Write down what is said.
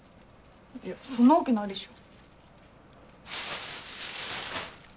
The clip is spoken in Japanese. いやそんなわけないでしょ。